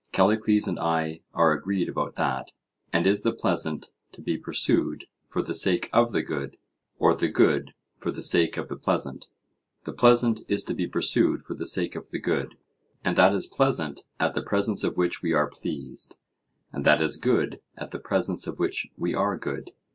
Callicles and I are agreed about that. And is the pleasant to be pursued for the sake of the good? or the good for the sake of the pleasant? The pleasant is to be pursued for the sake of the good. And that is pleasant at the presence of which we are pleased, and that is good at the presence of which we are good?